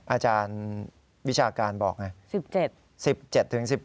อาจารย์วิชาการบอกไง